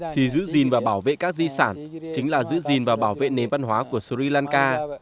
thì giữ gìn và bảo vệ các di sản chính là giữ gìn và bảo vệ nền văn hóa của sri lanka